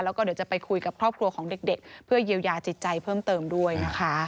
แล้วก็เดี๋ยวจะไปคุยกับครอบครัวของเด็กเพื่อเยียวยาจิตใจเพิ่มเติมด้วยนะคะ